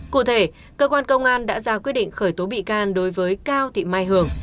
cụ thể cơ quan công an đã ra quyết định khởi tố bị can đối với cao thị mai hường